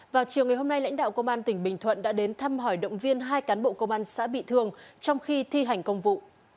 vào chiều ngày hôm nay lãnh đạo công an tỉnh bình thuận đã đến thăm hỏi động viên hai cán bộ công an xã bị thương trong khi thi hành công vụ